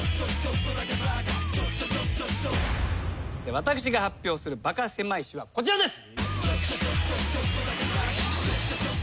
私が発表するバカせまい史はこちらです。